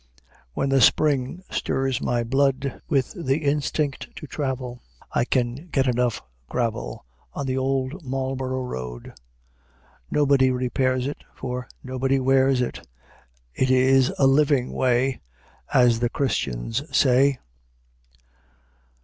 When the spring stirs my blood With the instinct to travel, I can get enough gravel On the Old Marlborough Road. Nobody repairs it, For nobody wears it; It is a living way, As the Christians say.